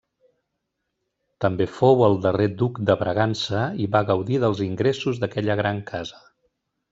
També fou el darrer Duc de Bragança i va gaudir dels ingressos d'aquella gran casa.